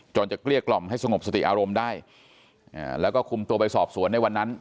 จะเกลี้ยกล่อมให้สงบสติอารมณ์ได้แล้วก็คุมตัวไปสอบสวนในวันนั้น